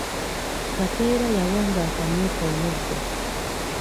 Kateera yawanga akamyu ke omuddo.